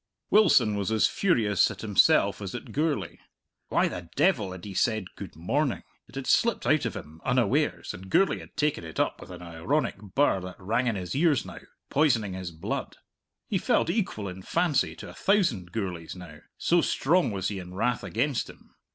Wilson was as furious at himself as at Gourlay. Why the devil had he said "Good morning"? It had slipped out of him unawares, and Gourlay had taken it up with an ironic birr that rang in his ears now, poisoning his blood. He felt equal in fancy to a thousand Gourlays now so strong was he in wrath against him.